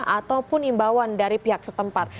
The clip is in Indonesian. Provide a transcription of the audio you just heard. ataupun imbauan dari pihak setempat